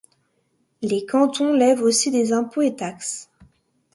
Les cantons lèvent aussi des impôts et taxes.